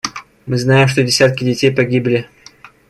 Мы знаем, что десятки детей погибли.